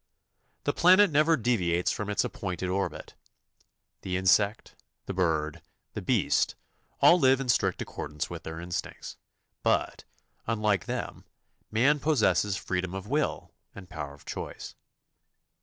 The planet never deviates from its appointed orbit; the insect, the bird, the beast all live in strict accordance with their instincts; but, unlike them, man possesses freedom of will and power of choice.